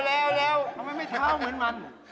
แล้วทำไมไม่เท้าเหมือนมัน